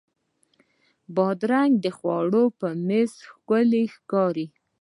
بادرنګ د خوړو په میز ښکلی ښکاري.